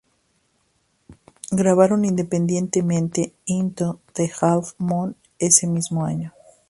Grabaron independientemente "Into the Half Moon" ese mismo año.